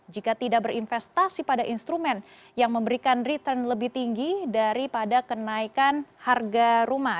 jika tidak berinvestasi pada instrumen yang memberikan return lebih tinggi daripada kenaikan harga rumah